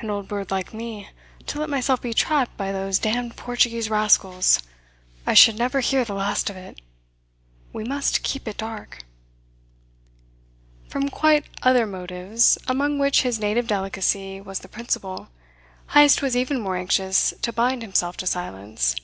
"An old bird like me! To let myself be trapped by those damned Portuguese rascals! I should never hear the last of it. We must keep it dark." From quite other motives, among which his native delicacy was the principal, Heyst was even more anxious to bind himself to silence.